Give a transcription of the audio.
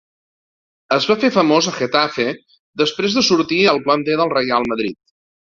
Es va fer famós a Getafe després de sortir al planter del Reial Madrid.